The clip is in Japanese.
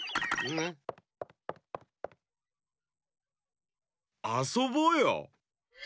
ぬ？あそぼうよ！